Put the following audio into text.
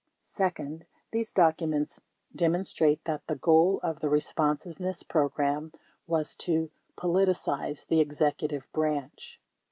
35 Second, these documents demonstrate that the goal of the Eespon siveness Program was "to politicize" the executive branch.